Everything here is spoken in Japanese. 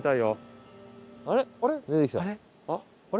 あれ？